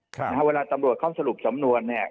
เวลาตำรวจเขาสรุปสำนวนเนี่ย